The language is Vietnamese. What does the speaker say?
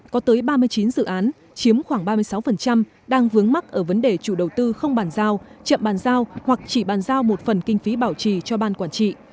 có tới ba mươi chín dự án chiếm khoảng ba mươi sáu đang vướng mắt ở vấn đề chủ đầu tư không bàn giao chậm bàn giao hoặc chỉ bàn giao một phần kinh phí bảo trì cho ban quản trị